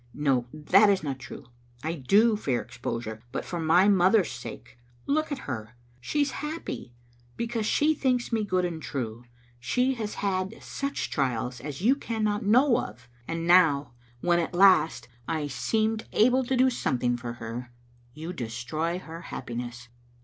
No, that is not true. I do fear exposure, but for my mother's sake. Look at her; she is happy, because she thinks me good and true; she has had such trials as you cannot know of, and now, when at last I seemed Digitized by VjOOQ IC 78 tCbe Xittle Aintetet* able to do something for her, you destroy her happi ness.